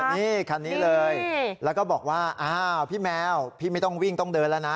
นี่คันนี้เลยแล้วก็บอกว่าอ้าวพี่แมวพี่ไม่ต้องวิ่งต้องเดินแล้วนะ